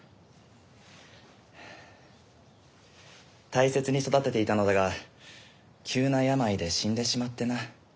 大切に育てていたのだが急な病で死んでしまってな。